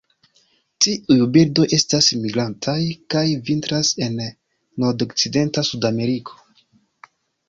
Tiuj birdoj estas migrantaj kaj vintras en nordokcidenta Sudameriko.